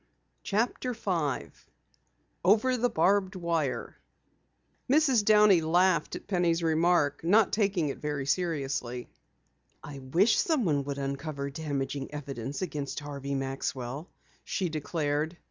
CHAPTER 5 OVER THE BARBED WIRE Mrs. Downey laughed at Penny's remark, not taking it very seriously. "I wish someone could uncover damaging evidence against Harvey Maxwell," she declared.